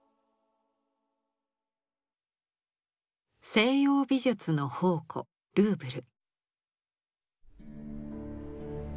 西洋美術の宝庫ルーブル。